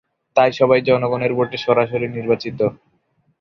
তারা সবাই জনগণের ভোটে সরাসরি নির্বাচিত।